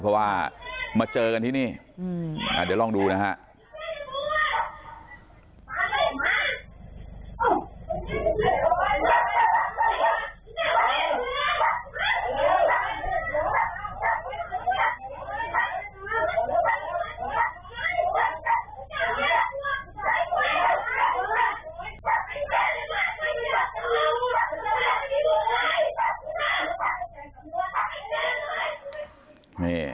เพราะว่ามาเจอกันที่นี่เดี๋ยวลองดูนะฮะ